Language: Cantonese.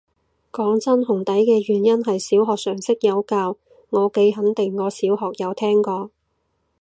講真，紅底嘅原因係小學常識有教，我幾肯定我小學有聽過